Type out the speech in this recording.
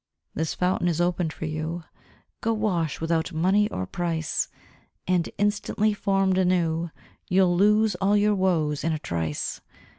This fountain is opened for you: Go, wash, without money or price; And instantly formed anew, You'll lose all your woes in a trice.